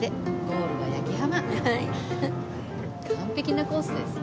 完璧なコースです。